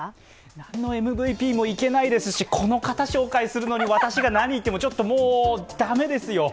何のＭＶＰもいけないですし、この方を紹介するのに私が何言っても、ちょっともう駄目ですよ。